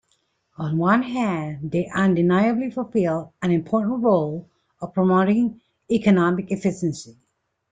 On one hand, they undeniably fulfill an important role of promoting economic efficiency.